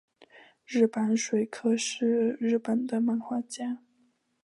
日坂水柯是日本的漫画家。